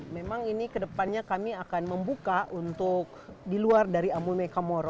memang ini kedepannya kami akan membuka untuk di luar dari amuni komoro